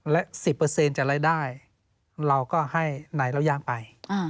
และ๑๐จากรายได้เราก็ให้นายเล่าย่างไป